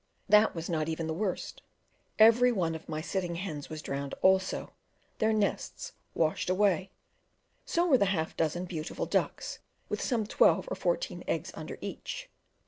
That was not even the worst. Every one of my sitting hens was drowned also, their nests washed away; so were the half dozen beautiful ducks, with some twelve or fourteen eggs under each.